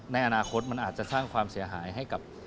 ในอนาคตมันอาจจะสร้างความเสียหายให้กับ